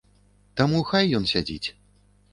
Таму хай ён сядзіць.